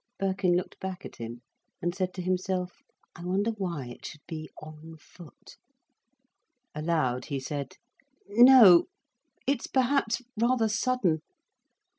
Birkin looked back at him, and said to himself: "I wonder why it should be 'on foot'!" Aloud he said: "No, it's perhaps rather sudden."